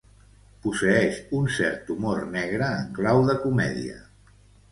Posseeix un cert humor negre en clau de comèdia.